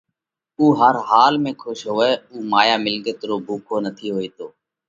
اُو هر حال ۾ کُش هوئه اُو مايا مِلڳت رو ڀُوکو نٿِي هوئِيتو۔